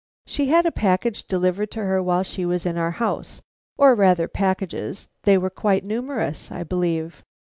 She had a package delivered to her while she was in our house, or rather packages; they were quite numerous, I believe."